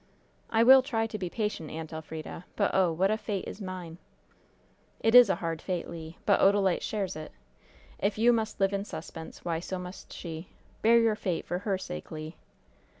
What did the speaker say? "I will try to be patient, Aunt Elfrida. But, oh, what a fate is mine!" "It is a hard fate, Le; but Odalite shares it. If you must live in suspense, why, so must she. Bear your fate for her sake, Le."